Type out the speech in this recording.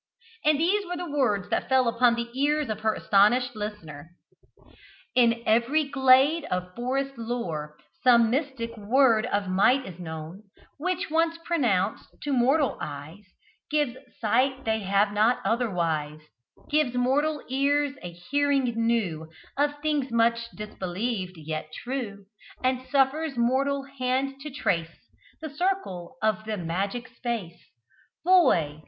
And these were the words that fell upon the ears of her astonished listener: "In every glade of forest lone, Some mystic word of might is known, Which, once pronounced, to mortals' eyes Gives sight they have not otherwise; Gives mortal ears a hearing new Of things much disbelieved yet true; And suffers mortal hand to trace The circle of the magic space. Boy!